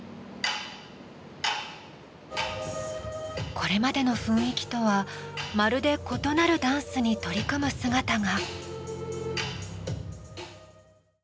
これまでの雰囲気とはまるで異なるダンスに取り組む姿が。